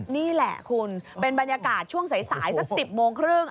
นี่แหละคุณเป็นบรรยากาศช่วงสายสัก๑๐โมงครึ่ง